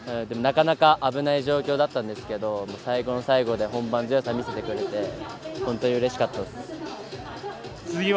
でもなかなか危ない状況だったんですけど最後の最後で本番の強さを見せてくれてうれしかったです。